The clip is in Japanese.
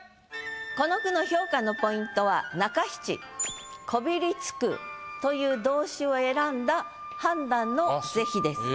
この句の評価のポイントは中七「こびりつく」という動詞を選んだ判断の是非です。